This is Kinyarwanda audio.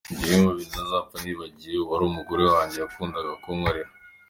Ni kimwe mu bintu ntazapfa nibagiwe uwari umugore wanjye yakundaga kunkorera.